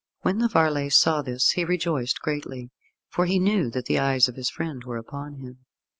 When the varlet saw this he rejoiced greatly, for he knew that the eyes of his friend were upon him.